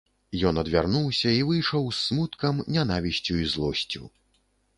Ён адвярнуўся і выйшаў з смуткам, нянавісцю і злосцю.